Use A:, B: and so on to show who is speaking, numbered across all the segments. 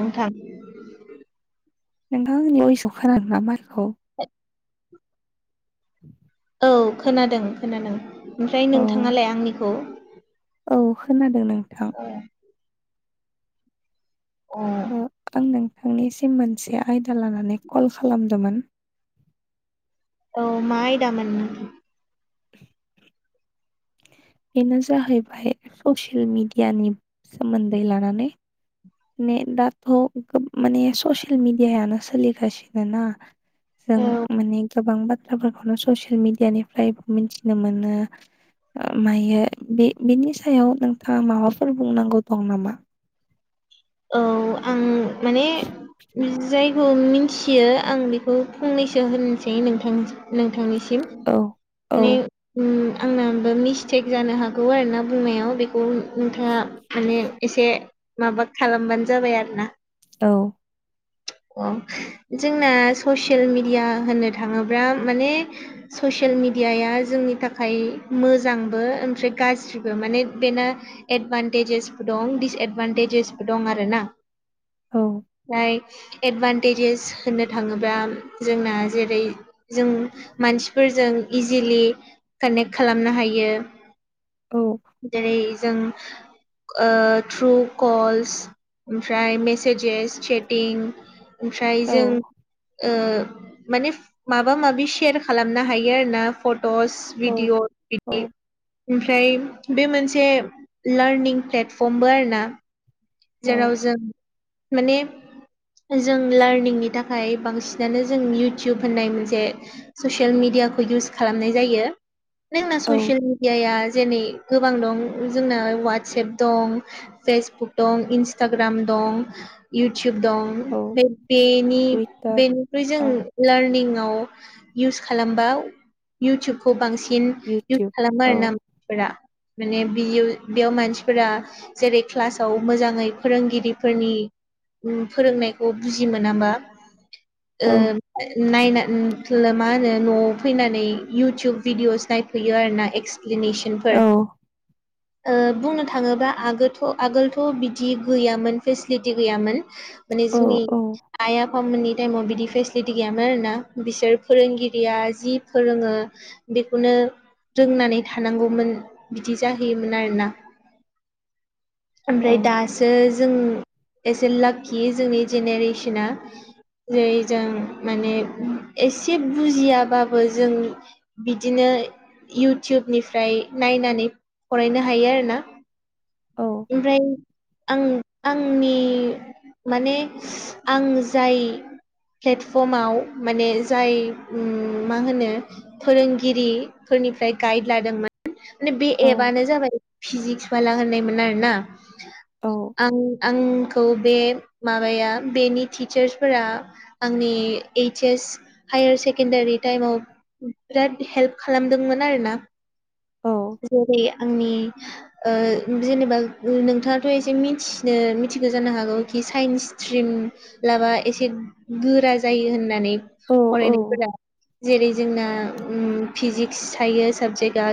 A: नोंथां
B: नोंथांआ आंनि [unintelligible]
A: औ खोनादों खोनादों ओमफ्राय
B: औ
A: नोंथाङालाय आंनिखौ?
B: औ खोनादों नोंथां।
A: अ अ
B: ओ आं नोंथांनिसिम मोनसे आयदा लानानै कल खालामदोंमोन।
A: औ मा आयदामोन नों
B: बेनो जाहैबाय ससियेल मिडियानि सोमोन्दै लानानै। माने दाथ' माने ससियेल मिडियानो सोलिगासिनो ना। जों
A: औ
B: माने गोबां बाथ्राफोरखौनो ससियेल मिडियानिफ्रायबो मिथिनो मोनो। मायो बे बिनि सायाव नोंथाङा माबाफोर बुंनांगौ दं नामा?
A: औ आं माने [unintelligible] जायखौ मिथियो आं बेखौ फंनैसो होनसै नोंथां नोंथांनिसिम।
B: औ औ
A: माने उम आंनाबो मिस्टेक जानो हागौ आरोना बुंनायाव बेखौ नोंथाङा माने एसे माबा खालामबानो जाबाय आरो ना।
B: औ।
A: जोंना ससियेल मिडिया होननो थाङोब्ला माने ससियेल मिडियाया जोंनि थाखाय मोजांबो ओमफ्राय गाज्रिबो माने बेना एदभान्टेजेसबो दं डिसएदभान्टेजेसबो दं आरोना।
B: औ।
A: ओमफ्राय एडभान्टेजेस होननो थाङोब्ला जोंना जेरै जों मानसिफोरजों इजिलि कानेक्ट खालामनो हायो।
B: औ।
A: जेरै जों ओ थ्रु कल ओमफ्राय मेसेजेस चेटिं ओमफ्राय
B: औ
A: जों ओ माने माबा माबि सेयार खालामनो हायो आरोना फट'स
B: औ
A: बिदिअ' [unintelligible] यो
B: औ
A: ओमफ्राय बे मोनसे लार्निं प्लेटफर्मबो आरो ना। जेराव
B: औ
A: जों माने जों लार्निंनि थाखाय बांसिनानो जों इउटुब होननाय मोनसे ससियेल मिडियाखौ इउस खालामनाय जायो [unintelligible]
B: औ
A: ससियेल मिडियाया जेरै गोबां दं जोंना ववाटसएप दं पेसबुक दं इनस्टाग्राम दं इउटुइब दं [unintelligible]
B: औ
A: बेनि
B: टुइटार
A: बेन ख्रुय जों
B: औ
A: लार्निंआव इउस खालामबा इउटुइबखौ बांसिन इउस
B: इउटुब
A: खालामो
B: औ
A: आरोना। फोरा माने बियो बेयाव मानसिफोरा जेरै क्लास खौ मोजाङै फोरोंगिरिफोरनि उम फोरोंनायखौ बुजि मोनाबा
B: औ
A: ओ ओ नायना [unintelligible] मा होनो न'आव फैनानै इउटुइब भिडिय'स नायफैयो आरोना एक्स प्लिनेसनफोर ओ बुंनो थाङोबा आगोथ' आगोलथ' बिदि गैयामोन फेसलिटि गैयामोन माने
B: औ
A: जोंनि आइ आफामोननि टाइमाव बिदि फेसलिटि गैयामोन आरोना बिसोर फोरोंगिरिया जि फोरोङो बेखौनो रोंनानै थानांगौमोन बिदि जाहैयोमोन आरोना।
B: औ
A: ओमफ्राय दासो जों एसे लाकि जोंनि जेनेरेसना। जै जों माने एसे बुजियाबाबो जोंनि बिदिनो इउटुइबनिफ्राय नायनानै फरायनो हायो आरोना।
B: औ
A: ओमफ्राय आं आंनि माने आं जाय प्लेटफर्माव माने जाय उम मा होनो फोरोंगिरिफोरनिफ्राय गाइड लादोंमोन माने बे एपआनो जाबाय फिजिक्स बाला होननायमोन आरोना। आं आंखौ बे माबाया बेनि टिचार्सफोरा आंनि ओइच एस हायार सेकेणडारि टाइमाव बिराद हेल्प खालामदोंमोन आरोना। जेरै आंनि ओ जेनेबा ओ नोंथाङाथ' एसे मिथिनो मिथिगो जानो हागौ कि साइन्स स्ट्रिम लाबा एसे गोरा जायो होननानै
B: औ औ
A: फरायनायफोरा जेरै जोंना उम फिजिक्स थायो साबजेक्ट दा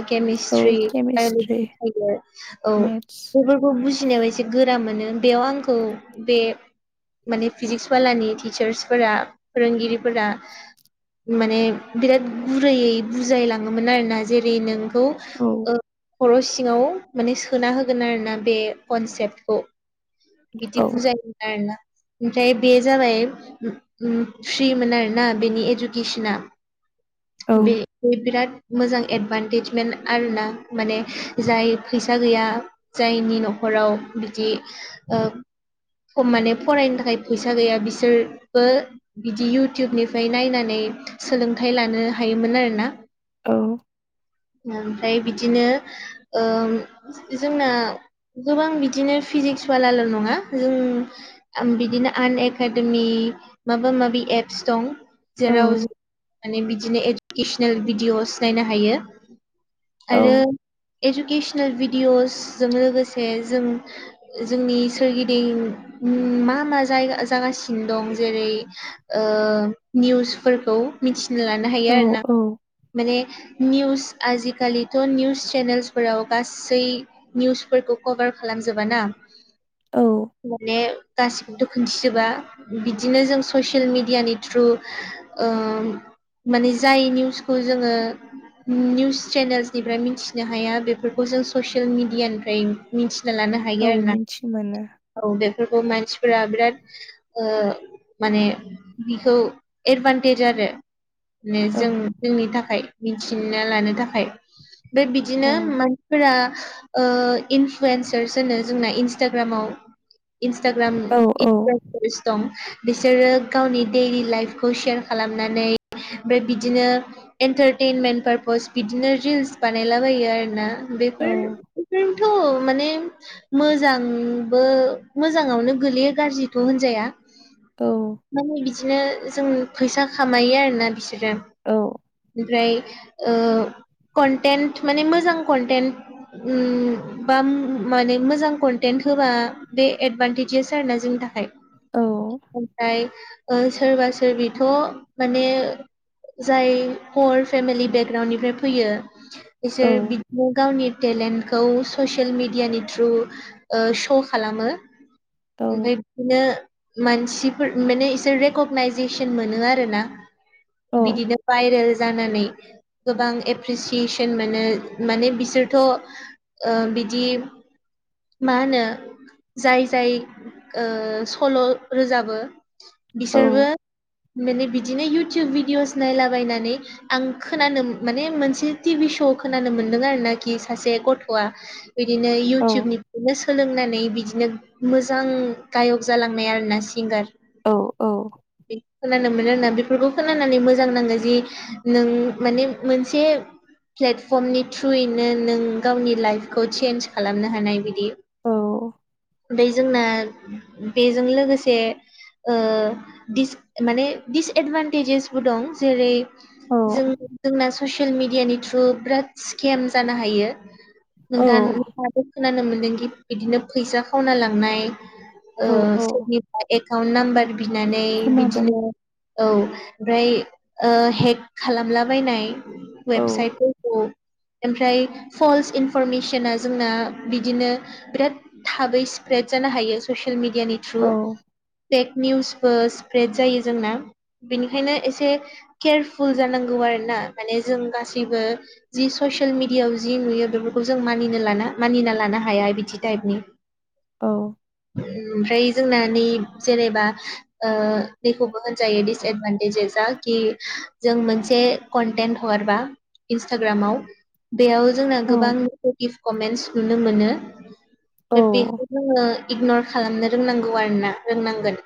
B: औ
A: केमिस्ट्रि
B: केमिस्ट्रि
A: बाय'लजि [unintelligible] औ
B: मेथ्स
A: बेफोरखौ बुजिनायाव एसे गोरा मोनो बेयाव आंखौ बे माने फिजिक्स बलानि टिचार्सफोरा फोरोंगिरिफोरा माने बिराद गुरैयै बुजायलाङोमोन आरोना जेरै नोंखौ
B: औ
A: ओ खर' सिङाव माने सोना होगोन आरोना बे कनसेप्टखौ। बिदि
B: औ
A: बुजायोमोन आरोना। ओमफ्राय बे जाबाय उम उम फ्रिमोन आरोना बेनि इडुकेसना।
B: औ
A: बे बे बिराद मोजां एदभान्टेजमेन्ट आरोना माने जाय फैसा गैया। जायनि न'खराव बिदि ओ खम माने फरायनो थाखाय फैसा गैया बिसोरबो बिदि इउटुइबनिफ्राय नायनानै सोलोंथाइ लानो हायोमोन आरोना।
B: औ
A: ओमफ्राय बिदिनो ओम जोंना गोबां बिदिनो फिजिक्स बलाल' नङा जों ओम बिदिनो आन एकाडेमि माबा माबि एप्स दं।
B: औ
A: जेराव जों माने बिदिनो इडुकेसनेल भिडिअस नायनो हायो।
B: औ
A: आरो इडुकेसनेल भिडिअसजों लोगोसे जों जोंनि सोरगिदिं मा मा जायगा जागासिनो दं जेरै ओ निउसफोरखौ मिथिना लानो
B: औ
A: हायो आरोना। माने निउस आजिकालिथ' निउस चेनेल्सफोराव गासै निउसफोरखौ कभार खालामजोबाना
B: औ
A: माने गासिखौबोथ' खोनन्थिजोबा बिदिनो जों ससियेल मिडियानि थ्रु ओ माने जाय निउसखौ जोङो निउस चेनेल्सनिफ्राय मिथिनो हाया बेफोरखौ जों ससियेल मिडियानिफ्राय मिथिना लानो
B: औ
A: हायो आरो ना
B: मिथि मोनो
A: औ बेफोरखौ मानसिफोरा बिराद ओ माने बिखौ एडभान्टेज आरो माने
B: औ
A: जों जोंनि थाखाय मिथिना लानो थाखाय ओमफ्राय बिदिनो
B: औ
A: मानसिफोरा ओ इनफ्लुयेन्सार्स होनो जोंना इनसटाग्रामाव इनसटाग्राम
B: औ
A: इ
B: औ
A: दं बिसोरो गावनि दैइलि लाइफखौ सेयार खालामनानै ओमफ्राय बिदिनो एन्टारटेनमेन्ट पारपस बिदिनो रिल्स बानायलाबायो आर ना
B: औ
A: बेफोर जोंथ' माने मोजांबो मोजाङावनो गोलैयो गाज्रिखौ होनजाया
B: औ
A: माने बिदिनो जों फैसा खामायो आरोना बिसोरो।
B: औ।
A: ओमफ्राय ओ कन्टेन्ट माने मोजां कन्टेन्ट उम बा माने मोजां कन्टेन्ट होबा बे एदभान्टेजसो आरो ना जोंनि थाखाय ओमफ्राय ओ सोरबा सोरबिथ' माने‌ जाय पर फेमिलि बेकग्राावउणडनिफ्राय फैयो बिसोर बिदिनो गावनि टेलेन्टखौ ससियेल मिेडियानि थ्रु ओ स'' खालामो। ओमफ्राय बिदिनो मानसिफोर माने इसोर रेकगनाइजेसन मोनो आरो ना। बिदिनो भाइरेल जानानै गोबां एप्रिसिसन मोनो माने बिसोर थ' ओ बिदि मा होनो जाय जाय ओ सल' रोजाबो बिसोरबो माने बिदिनो इउटुब भिडिअस नायलाबायनानै आं खोनानो माने मोनसे टिभि से' खोनानो मोनदों आरो ना। खि सासे गथ'आ बिदिनो इउटुबनिफ्रायनो सोलोंनानै बिदिनो मोजां गायक जालांनाय आरोना सिंगार
B: औ - औ।
A: खोनानो मोनो आरोना बेफोरखौ खोनानानै मोजां नाङो जि नों माने मोनसे प्लेटफर्मनि थ्रुयै नों गावनि लाइफखौ चेन्ज खालामनो हानाय बिदि
B: औ।
A: बे जोंना बेजों लोगोसे ओ दिस माने दिसएदभान्टेजेसबो दं जेरै
B: औ
A: जों जोंना ससियेल मिडियानि थ्रु बिराद स्केम जानो हायो।
B: औ
A: नोंथा नोंथाङाथो खोनानो मोनदोंखि बिदिनो फैसा खावना लांनाय ओ
B: औ औ
A: सोरनिबा एकाउन्ट नाम्बार बिनानै
B: खोनादों
A: बिदिनो औ ओमफ्राय ओ हेक खालामलाबायनाय
B: औ
A: वेबसाइटफोरखौ ओमफ्राय फल्स इनफरमेसना जोंना बिदिनो बिराद थाबै स्प्रेड जानो हायो ससियेल मिडिया नि थ्रु
B: औ
A: फेक निउसबो स्प्रेड जायो जोंना बेनिखायनो एसे केयारफुल जानांगौ आरोना माने जों गासैबो जि ससियेल मिडियाआव जि नुयो बेफोरखौ जों मानिनो लाना मानिना लानो हाया बिदि टाइपनि
B: औ।
A: ओमफ्राय जोंना नै जेनेबा ओ बेखौबो होनजायो डिसएदभान्टेजेेजआ कि जों मोनसे कन्टेन्ट हगारबा इन्स्टाग्रामाव बेयाव जोंना गोबां
B: औ
A: नेगेटिभ कमेन्टस नुनो मोनो
B: औ
A: बेखौ जोङो इगनर खालामनो रोंनांगौ आरोना, रोंनांगोन।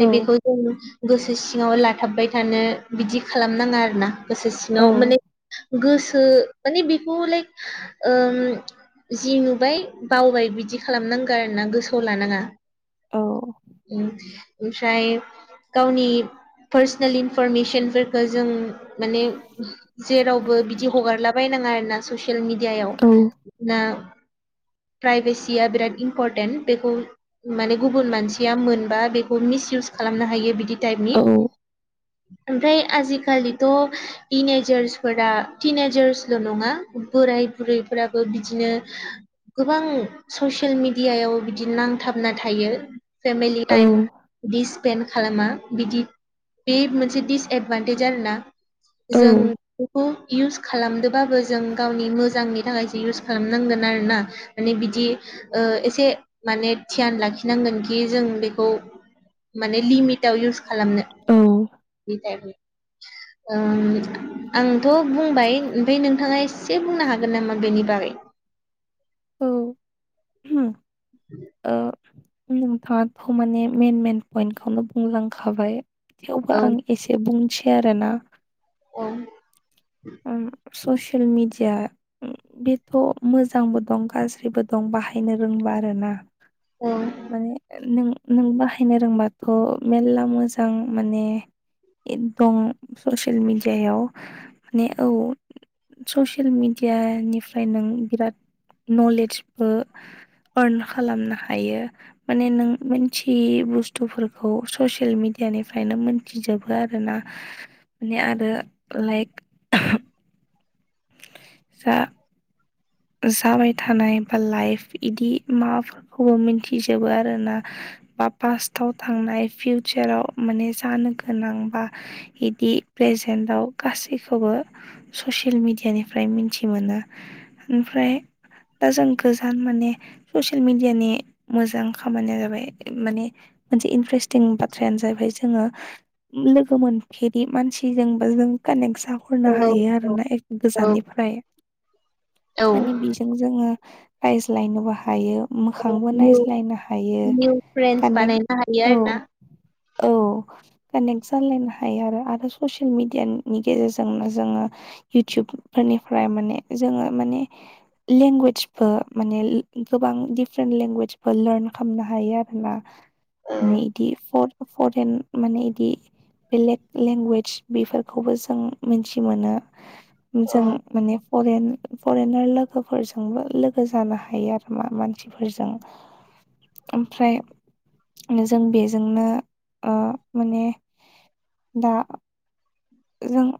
B: औ
A: बेखौ जों गोसो सिङाव लाथाबबाय थानो बिदि खालामनाङा आरोना गोसो
B: औ
A: सिङाव माने गोसो माने बेखौ लाइक जि नुबाय बावबाय बिदि खालामनांगौ आरोना गोसोआव लानाङा। ओमफ्राय गावनि पार्सनेल इनफरमेसनफोरखौ जों माने जेरावबो बिदि हगारला थाबायनाङा आरोना ससियेल मिडियायाव ना प्राइभेसिया बिराद इम्परटेन्ट बेखौ माने गुबुन मानसिया मोनबा बेखौ मिसयउस खालामनो हायो बिदि टाइपनि
B: औ
A: ओमफ्राय आजिखालिथ' टिनेजार्सफोरा टिनजार्स ल' नङा बोराय बुरैफोराबो बिदिनो गोबां ससियेल मिडियायाव बिदि नांथाबना थायो फेमलि टाइम बिस स्पेन्ड खालामा बिदि बे मोनसे दिडिसएदभान्टेज आरोना
B: औ
A: जों बेखौ इउस खालामदोंबाबो जों गावनि मोजांनि थाखाय इउस खालामनांगोन आरोना। माने बिदि एसे माने धियान लाखिनांगोनखि जों बेखौ माने लिमिट याव इउस खालामनो [unintelligible] उम आंथ' बुंबाय ओमफ्राय नोंथाङा एसे बुंनो हागोन नामा बेनि बागै
B: औ [unintelligible] नोंथाङाथ' माने मेन मेन पइन्टखौनो बुंलांखाबा थेवबो
A: औ
B: आं एसेब बुंनोसै आरोना
A: औ
B: ओं स'सेल मिडया बेथ' मोजांबो दं गाज्रिबो दं बाहायनो रोंबा आरोना
A: औ
B: माने नों नों बाहायनो रोंबाथ' मेर्ला मोजां माने दं ससियेल मिडियायाव माने औ ससियेल मिडिया निफ्राय नों बिराद नलेजबो आर्न खालामनो हायो माने नों मोनथियै बुस्थुफोरखौ ससियेल मिडियानिफ्रायनो मोन थिजोबो आरोना माने आरो लाइक दा जाबाय थानाय बा लाइफ इदि माबाफोर खौबो मिथिजोबो आरोना। बा पास्ताव थांनाय फि उसाराव माने जानो गोनां बा बिदि प्रेजेन्टआव गासैखौबो ससियेल मिडियानिफ्राय मिथि मोना ओमफ्राय दा जों गोजान माने ससियेल मिडियानि मोजां खामानिया जाबाय, माने मोनसे इन्ट्रेस्टिं बा थ्रानो जाहैबाय जोङो लोगो मोनफेरि मानसिजोंबा जों कानेक्ट ज हरनो
A: औ
B: हायो आरोना एक
A: औ औ
B: गोजाननिफ्राय माने
A: औ
B: बेजों जोङो रायज्लायनोबो हायो। मोखांबो
A: निउ
B: नायज्लायनो हायो
A: निउ फ्रेन्स
B: कानेक्ट
A: बानायनो हायो आरो
B: औ
A: ना
B: औ कानेक्ट जालायनो हायो आरो आरो ससियेल मिडियानि गेजेरजोंनो जोङो इउटुबफोरनिफ्राय माने जोङो माने लेंगुवेजबो माने गोबां दिडिफारेन्ट लेंगुवेजबो लार्न खालामनो हायो आरो ना माने बिदि फरेन माने बिदि बेलेग लेंगुवेज बेफोरखौबो जों मिथि मोनो
A: औ
B: जों माने फरेन फरेनार लोगोफोरजोंबो लोगो जानो हायो आरो मा मानसिफोरजों ओमफ्राय जों बेजोंनो माने दा जों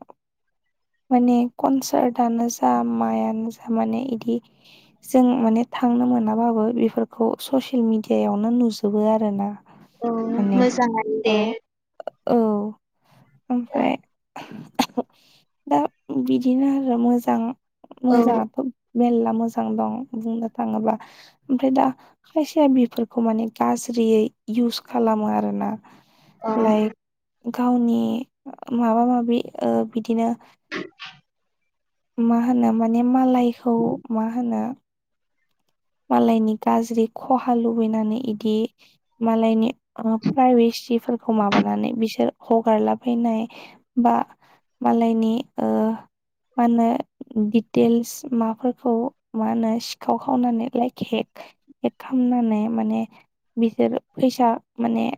B: माने कनसार्टनो जा माइआनो जा माने इदि जों माने थांनो मोनाबाबो बेफोरखौ ससियेल मेडियावनो नुजोबो आर ना
A: औ
B: माने
A: मोजाङानो
B: औ
A: दे
B: औ
A: औ
B: ओमफ्राय दा बिदिनो आरो मोजां
A: औ
B: मोजाङाथ' मेलला मोजां दं बुंनो थाङोब्ला ओमफ्राय दा खायसेया बेफोरखौ माने गाज्रियै इउस खालामो आरोना
A: औ
B: लाइक गावनि माबा माबि बिदिनो मा होनो माने मालायखौ मा होनो मालायनि गाज्रि खहा लुबैनानै इदि मालायनि प्राइभेसिफोरखौ माबानानै बिसोर हगारलाबायैनाय बा मालायनि मा होनो दिटेल्स माफोरखौ मा होनो सिखाव खावनानै लाइक हेक हेक खालामनानै माने बिसोर फैसा माने